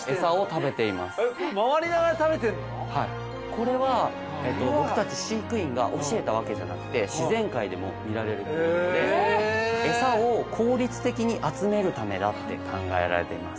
これは僕たち飼育員が教えたわけじゃなくて自然界でも見られる行動で餌を効率的に集めるためだって考えられています。